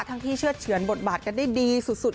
ที่เชื่อดเฉือนบทบาทกันได้ดีสุด